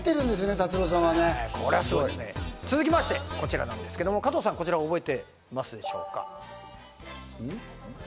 続きましては、こちらなんですけど、加藤さん、こちら覚えていますでしょうか？